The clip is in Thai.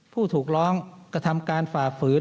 ผู้ถูกร้องกระทำการฝ่าฝืน